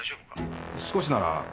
少しなら。